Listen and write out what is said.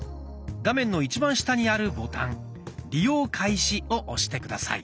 画面の一番下にあるボタン「利用開始」を押して下さい。